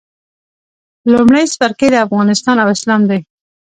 لومړی څپرکی افغانستان او اسلام دی.